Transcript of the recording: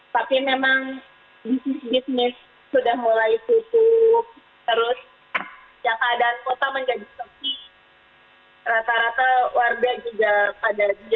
tapi memang bisnis bisnis sudah mulai tutup terus yang keadaan kota menjadi sepi rata rata warga juga pada diem di rumah seperti itu